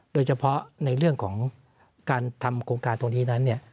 โดยเฉพาะในเรื่องของการทำโครงการตรงนี้นั้น